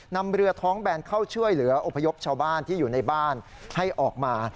นำเรือท้องแบนเข้าช่วยเหลืออพยพชาวบ้านที่อยู่ในบ้านให้ออกมา